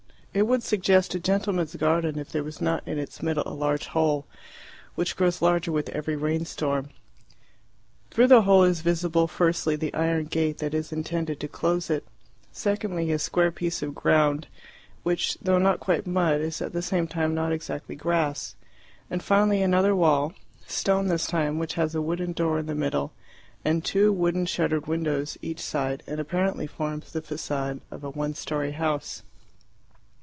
It would suggest a gentleman's garden if there was not in its middle a large hole, which grows larger with every rain storm. Through the hole is visible, firstly, the iron gate that is intended to close it; secondly, a square piece of ground which, though not quite, mud, is at the same time not exactly grass; and finally, another wall, stone this time, which has a wooden door in the middle and two wooden shuttered windows each side, and apparently forms the facade of a one storey house.